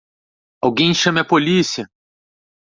Alguém chame a polícia!